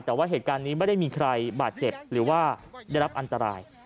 แต่ว่าเหตุการณ์นี้ไม่ได้มีใครบาดเจ็บหรือว่าได้รับอันตราย